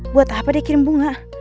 buat apa dia kirim bunga